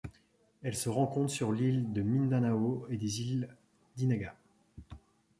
Elle se rencontre sur l'île de Mindanao et des îles Dinagat.